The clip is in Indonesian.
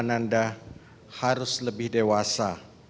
ananda harus lebih dewasa